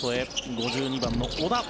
５２番の小田。